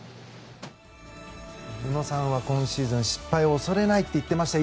宇野さんは今シーズン失敗を恐れないと言ってました。